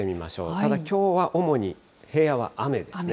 ただ、きょうは主に平野は雨ですね。